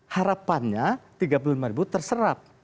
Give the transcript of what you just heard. harapannya tiga puluh lima ribu terserap